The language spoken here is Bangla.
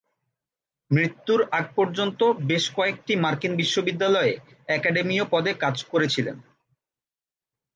মৃত্যুর আগ পর্যন্ত বেশ কয়েকটি মার্কিন বিশ্ববিদ্যালয়ে অ্যাকাডেমীয় পদে কাজ করেছিলেন।